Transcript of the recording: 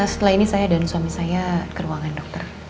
setelah ini saya dan suami saya ke ruangan dokter